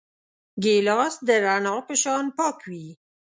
ګیلاس د رڼا په شان پاک وي.